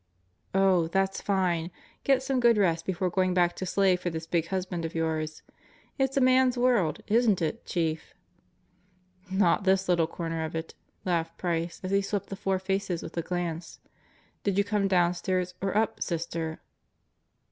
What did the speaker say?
"Oh, that's fine. Get some good rest before going back to slave for this big husband of yours. It's a man's world, isn't it, Chief?" "Not this little corner of it," laughed Price as he swept the four faces with a glance. "Did you come downstairs or up, Sister?"